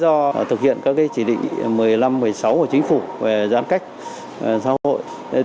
do thực hiện các chỉ định một mươi năm một mươi sáu của chính phủ về giãn cách xã hội